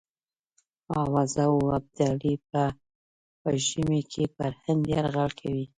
آوازه وه ابدالي به په ژمي کې پر هند یرغل کوي.